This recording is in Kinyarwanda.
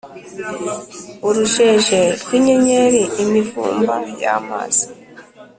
urujeje rw’inyenyeri, imivumba y’amazi